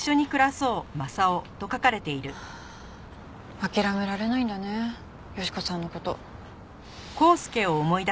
諦められないんだね良子さんの事。